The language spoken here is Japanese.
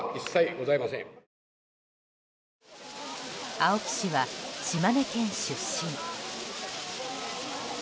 青木氏は島根県出身。